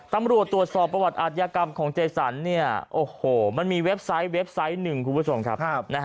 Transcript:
ตำรวจตรวจสอบประวัติอาทยากรรมของเจสันเนี่ยโอ้โหมันมีเว็บไซต์เว็บไซต์หนึ่งคุณผู้ชมครับ